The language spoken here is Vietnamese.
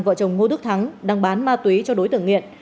vợ chồng ngô đức thắng đang bán ma túy cho đối tượng nghiện